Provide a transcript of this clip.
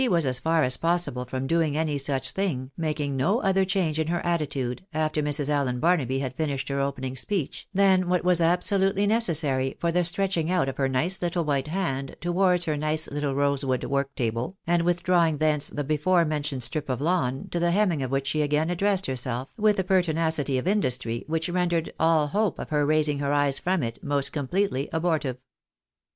243 was as far as possible from doing any such thing, making no other change in her attitude, after Mrs. Allen Baruaby had finished her opening speech, than what was absolutely necessary for the stretch ing out of her nice little white hand towards her nice little rose wood work table, and withdrawing thence the before mentioned strip of lawn, to the hemming of which she again addressed herself with a pertinacity of industry which rendered all hope of her raising her eyes from it most completely abortive.